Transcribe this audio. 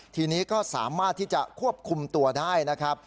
ทีนี้ก็สามารถที่จะควบคุมตัวได้นะครับ